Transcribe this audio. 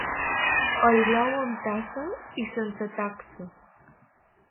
El brou amb tassa i sense tatxa.